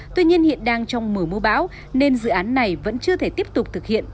tuy nhiên hiện đang trong mở mô báo nên dự án này vẫn chưa thể tiếp tục thực hiện